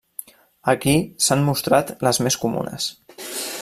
Aquí s'han mostrat les més comunes.